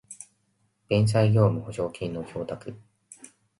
弁済業務保証金の供託